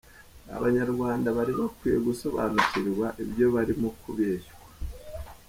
Abanyarwanda bari bakwiye gusobanukirwa ibyo barimo kubeshywa!